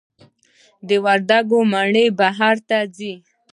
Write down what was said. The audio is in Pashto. د وردګو مڼې بهر ته ځي؟